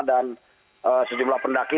dan sejumlah pendaki